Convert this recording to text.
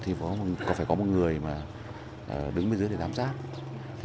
thì phải có một người mà đứng bên dưới để giám sát